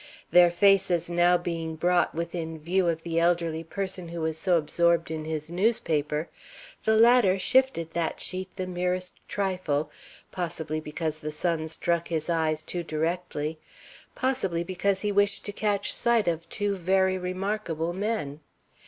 Their faces now being brought within view of the elderly person who was so absorbed in his newspaper, the latter shifted that sheet the merest trifle, possibly because the sun struck his eyes too directly, possibly because he wished to catch sight of two very remarkable men.